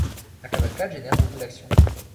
La cavalcade génère beaucoup d'actions.